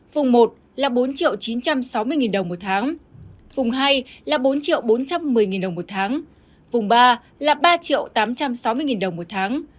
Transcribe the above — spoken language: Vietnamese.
vùng một là bốn chín trăm sáu mươi đồng một tháng vùng hai là bốn triệu bốn trăm một mươi đồng một tháng vùng ba là ba tám trăm sáu mươi đồng một tháng